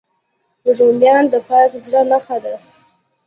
رومیان د پاک زړه نښه ده